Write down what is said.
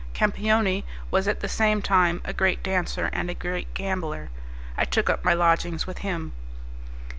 Campioni was at the same time a great dancer and a great gambler. I took up my lodgings with him.